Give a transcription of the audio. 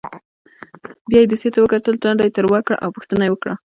بیا یې دوسیې ته وکتل ټنډه یې تروه کړه او پوښتنه یې وکړه.